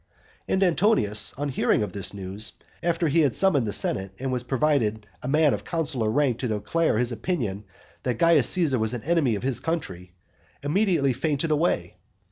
IX. And Antonius, on hearing of this news, after he had summoned the senate, and provided a man of consular rank to declare his opinion that Caius Caesar was an enemy of his country, immediately fainted away.